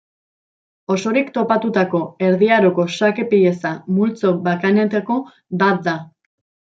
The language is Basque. Osorik topatutako Erdi Aroko xake pieza multzo bakanetako bat da.